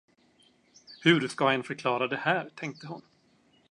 Hur ska en förklara det här. tänkte hon.